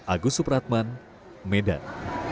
agus supratman medan